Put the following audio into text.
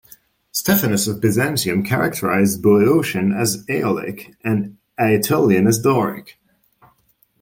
Stephanus of Byzantium characterized Boeotian as Aeolic and Aetolian as Doric.